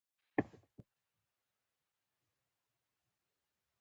همجنسانو تر منځ واده اسلام نه مني.